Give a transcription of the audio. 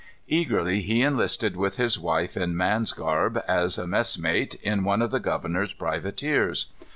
Eagerly he enlisted, with his wife in man's garb, as a messmate, in one of the governor's privateers.